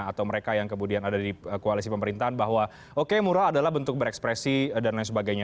atau mereka yang kemudian ada di koalisi pemerintahan bahwa oke murah adalah bentuk berekspresi dan lain sebagainya